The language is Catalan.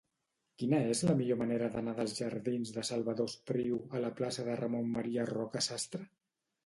Quina és la millor manera d'anar dels jardins de Salvador Espriu a la plaça de Ramon M. Roca Sastre?